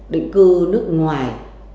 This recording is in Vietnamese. định cư nước ngoài